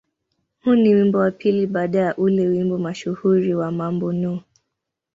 Huu ni wimbo wa pili baada ya ule wimbo mashuhuri wa "Mambo No.